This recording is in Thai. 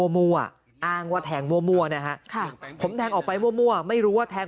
มั่วอ้างว่าแทงมั่วนะฮะผมแทงออกไปมั่วไม่รู้ว่าแทง